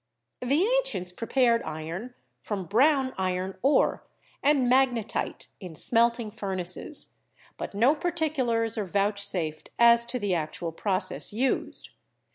The ancients pre pared iron from brown iron ore and magnetite in smelting furnaces, but no particulars are vouchsafed as to the actual process used.